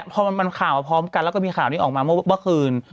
พอมันข่าวมาพร้อมกันแล้วก็มีข่าวนี้ออกมาเมื่อคืน